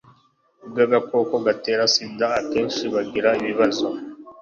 bw'agakoko gatera sida akenshi bagira ibibazo